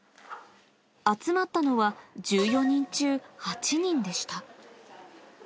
集まったのは、１４人中８人でした。